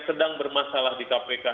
sedang bermasalah di kpk